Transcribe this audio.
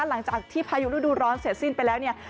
หลังจากที่พายุฤดูร้อนเสร็จสิ้นไปแล้วเนี่ย